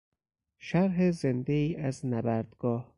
شرح زندهای از نبردگاه